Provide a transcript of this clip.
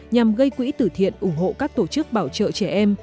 nhằm gây quỹ tử thiện ủng hộ các tổ chức bảo trợ trẻ em